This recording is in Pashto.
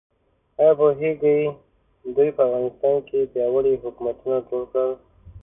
ایا پوهیږئ دوی په افغانستان کې پیاوړي حکومتونه جوړ کړل؟